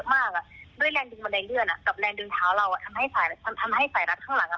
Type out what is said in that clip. พอมันมีสิ่งของหรือวัตถุเข้าไปข้างในแล้ว